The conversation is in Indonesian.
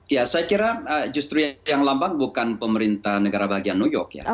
ya saya kira justru yang lambat bukan pemerintah negara bagian new york ya